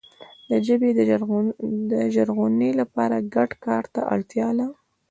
د ژبي د ژغورنې لپاره ګډ کار ته اړتیا ده.